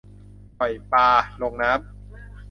ปล่อยปลาลงน้ำ